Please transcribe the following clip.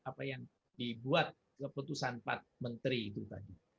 apa yang dibuat keputusan pak menteri itu tadi